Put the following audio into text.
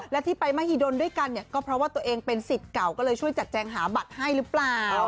และที่ไปมหิดลด้วยกันเนี่ยก็เพราะว่าตัวเองเป็นสิทธิ์เก่าก็เลยช่วยจัดแจงหาบัตรให้หรือเปล่า